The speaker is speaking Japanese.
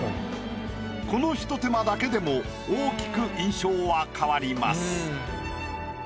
このひと手間だけでも大きく印象は変わります。